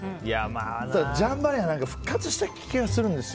ジャンバラヤ復活した気がするんですよ。